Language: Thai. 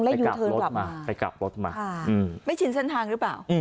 แล้วยูเทิร์นกลับมาไปกลับรถมาไม่ชินเส้นทางหรือเปล่า